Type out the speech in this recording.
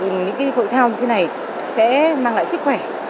những hội thao như thế này sẽ mang lại sức khỏe